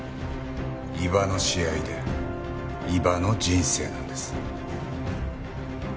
伊庭の試合で伊庭の人生なんです。